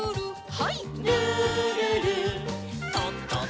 はい。